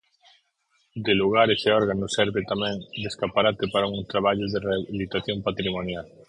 De lugares e órganos serve tamén de escaparate para un traballo de rehabilitación patrimonial.